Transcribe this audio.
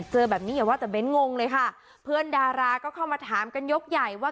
เจอแบบนี้อย่าว่าแต่เน้นงงเลยค่ะเพื่อนดาราก็เข้ามาถามกันยกใหญ่ว่า